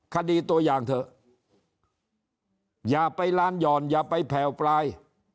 คดีตัวอย่างเถอะอย่าไปร้านหย่อนอย่าไปแผ่วปลาย